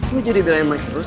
lo jadi belain maik terus